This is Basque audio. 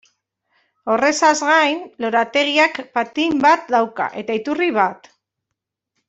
Horrezaz gain, lorategiak patin bat dauka, eta iturri bat.